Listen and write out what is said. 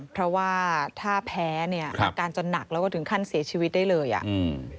เพราะว่าถ้าแพ้เนี่ยอาการจะหนักแล้วก็ถึงขั้นเสียชีวิตได้เลยอ่ะอืม